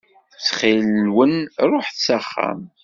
Ttxil-wen ruḥet s axxam.